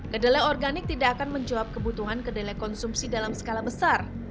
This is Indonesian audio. kedelai organik tidak akan menjawab kebutuhan kedelai konsumsi dalam skala besar